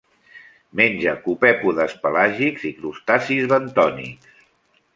Menja copèpodes pelàgics i crustacis bentònics.